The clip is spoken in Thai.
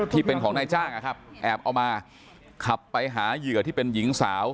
ที่เป็นของนายจ้างนะครับแอบเอามาขับไปหาเหยื่อที่เป็นหญิงสาว